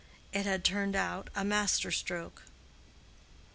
It had turned out a master stroke.